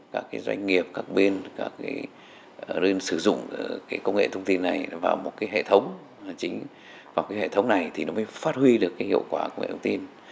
các doanh nghiệp các bên sử dụng công nghệ thông tin này vào một hệ thống chính vào hệ thống này thì nó mới phát huy được hiệu quả của công nghệ thông tin